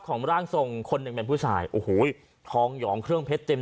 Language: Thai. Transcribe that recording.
ร่างทรงคนหนึ่งเป็นผู้ชายโอ้โหทองหยองเครื่องเพชรเต็ม